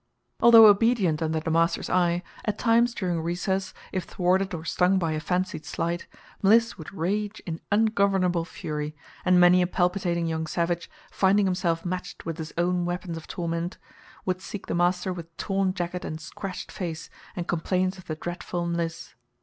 Although obedient under the master's eye, at times during recess, if thwarted or stung by a fancied slight, Mliss would rage in ungovernable fury, and many a palpitating young savage, finding himself matched with his own weapons of torment, would seek the master with torn jacket and scratched face and complaints of the dreadful Mliss.